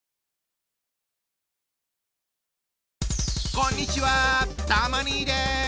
こんにちはたま兄です。